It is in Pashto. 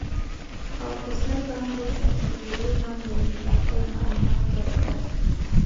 او پر سر باندي زخمي کیدل هم لري. ډاکټر معلومات ورکړل.